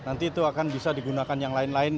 nanti itu akan bisa digunakan yang lain lain